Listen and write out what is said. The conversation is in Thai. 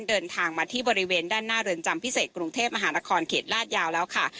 เดินทางมาที่บริเวณด้านหน้าเรือนจำพิเศษกรุงเทพมหานครเขตลาดยาวแล้วค่ะ